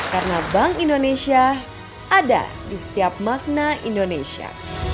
karena bank indonesia ada di setiap makna indonesia